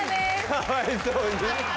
かわいそうに。